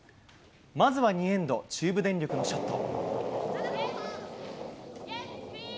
まずは２エンド、中部電力のショット。